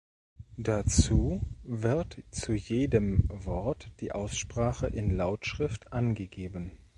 Dazu wird zu jedem Wort die Aussprache in Lautschrift angegeben.